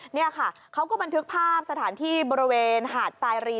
นี่ค่ะเขาก็บันทึกภาพสถานที่บริเวณหาดสายรี